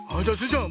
ちゃん